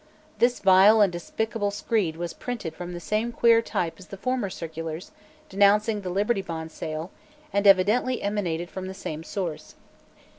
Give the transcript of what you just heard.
This vile and despicable screed was printed from the same queer type as the former circulars denouncing the Liberty Bond sale and evidently emanated from the same source.